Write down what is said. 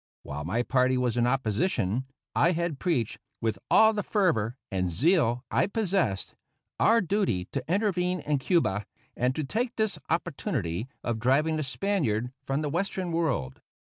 While my party was in opposition, I had preached, with all the fervor and zeal I possessed, our duty to intervene in Cuba, and to take this opportunity of driving the Spaniard from the Western World.